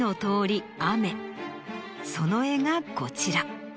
その絵がこちら。